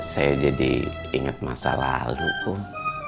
saya jadi inget masa lalu kum